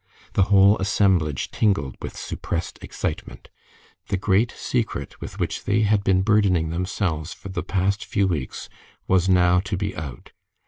The whole assemblage tingled with suppressed excitement. The great secret with which they had been burdening themselves for the past few weeks was now to be out.